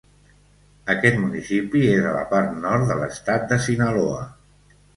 Aquest municipi és a la part nord de l'estat de Sinaloa.